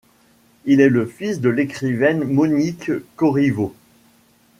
Il est le fils de l'écrivaine Monique Corriveau.